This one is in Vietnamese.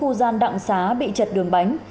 tòa tàu bị lật sang phía đường gom không có phương tiện